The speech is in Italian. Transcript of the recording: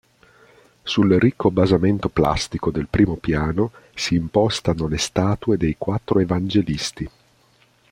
Sul ricco basamento plastico del primo piano si impostano le statue dei quattro Evangelisti.